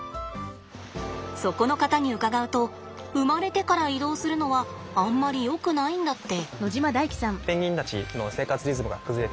そこの方に伺うと生まれてから移動するのはあんまりよくないんだって。